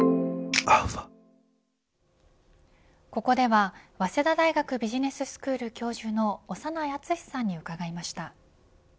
ここでは早稲田大学ビジネススクール教授の長内厚さんに伺いました。